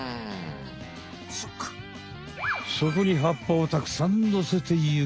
そこに葉っぱをたくさんのせていく！